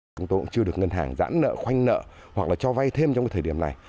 chúng tôi cũng chưa được ngân hàng giãn nợ khoanh nợ hoặc là cho vay thêm trong thời điểm này